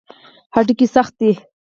هډوکي سخت دي.